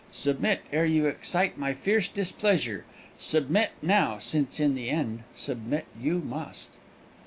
Submit, ere you excite my fierce displeasure; submit now, since in the end submit you must!"